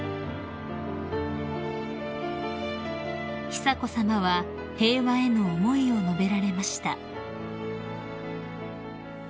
［久子さまは平和への思いを述べられました］